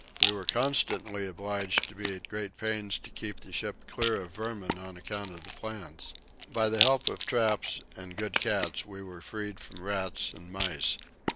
We were constantly obliged to be at great pains to keep the ship clear of vermin on account of the plants. By the help of traps and good cats we were freed from rats and mice.